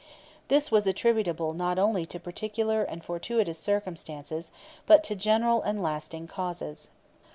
This was attributable not only to particular and fortuitous circumstances, but to general and lasting causes.